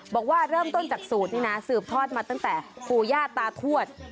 บอกว่าเริ่มต้นจากสูตรนี้นะสืบทอดมาตั้งแต่ปู่ย่าตาทวด